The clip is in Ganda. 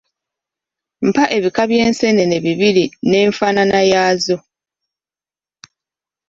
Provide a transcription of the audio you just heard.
Mpa ebika by’enseenene bibiri n’enfaanaana yaazo.